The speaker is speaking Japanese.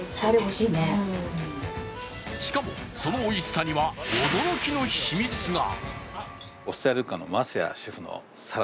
しかも、そのおいしさには驚きの秘密が。